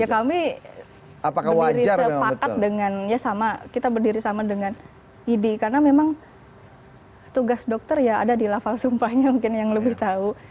ya kami berdiri sepakat dengan ya sama kita berdiri sama dengan idi karena memang tugas dokter ya ada di level sumpahnya mungkin yang lebih tahu